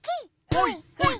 ほいほい。